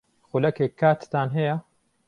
خولەکێک کاتتان ھەیە؟